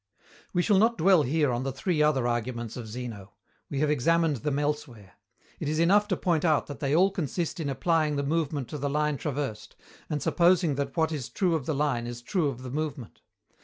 We shall not dwell here on the three other arguments of Zeno. We have examined them elsewhere. It is enough to point out that they all consist in applying the movement to the line traversed, and supposing that what is true of the line is true of the movement.